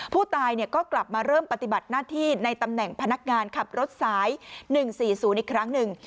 ผู้ตายก็กลับมาเริ่มปฏิบัติหน้าที่ในตำแหน่งพนักงานขับรถสาย๑๔๐อีกครั้งหนึ่ง